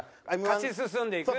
勝ち進んでいく。